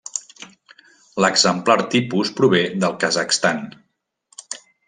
L'exemplar tipus prové del Kazakhstan.